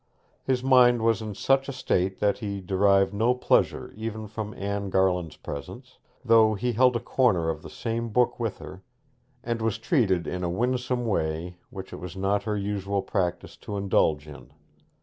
His mind was in such a state that he derived no pleasure even from Anne Garland's presence, though he held a corner of the same book with her, and was treated in a winsome way which it was not her usual practice to indulge in.